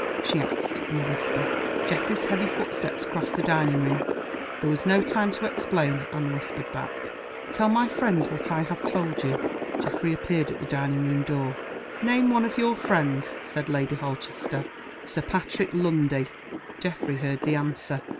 she asked, in a whisper. Geoffrey's heavy footsteps crossed the dining room. There was no time to explain. Anne whispered back, "Tell my friends what I have told you." Geoffrey appeared at the dining room door. "Name one of your friends," said Lady Holchester. "Sir Patrick Lundie." Geoffrey heard the answer.